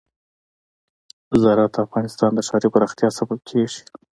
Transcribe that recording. زراعت د افغانستان د ښاري پراختیا سبب کېږي.